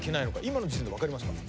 今の時点で分かりますか？